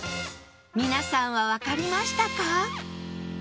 皆さんはわかりましたか？